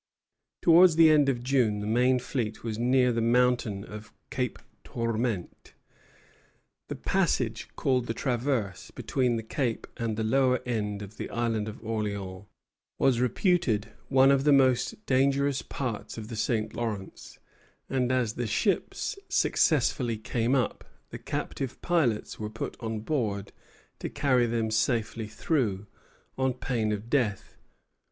Mémorial de Jean Denis de Vitré au Très honorable William Pitt. Towards the end of June the main fleet was near the mountain of Cape Tourmente. The passage called the Traverse, between the Cape and the lower end of the Island of Orleans, was reputed one of the most dangerous parts of the St. Lawrence; and as the ships successively came up, the captive pilots were put on board to carry them safely through, on pain of death.